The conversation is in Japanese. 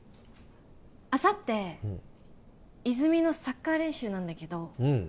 あさってうん泉実のサッカー練習なんだけどうん